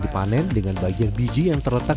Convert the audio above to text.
dipanen dengan bagian biji yang terletak